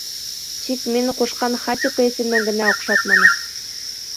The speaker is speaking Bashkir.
Тик мин ҡушҡан Хатико исемен генә оҡшатманы.